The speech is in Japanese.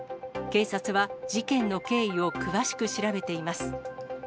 警察は事件の経緯を詳しく調べています。